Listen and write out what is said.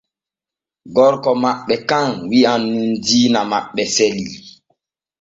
Gorko maɓɓe kan wi’an nun diina maɓɓe salii.